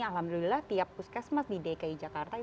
alhamdulillah tiap puskesmas di dki jakarta